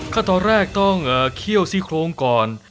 ก็ตอนแรกต้องเคี่ยวซี่โครงก่อน